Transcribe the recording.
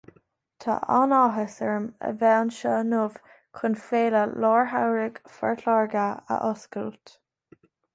Tá an-áthas orm a bheith anseo inniu chun Féile Lár-Shamhraidh Phort Láirge a oscailt.